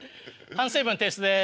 反省文提出です。